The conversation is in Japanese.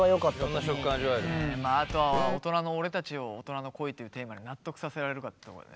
あとは大人の俺たちを大人の恋というテーマで納得させられるかってとこだよね。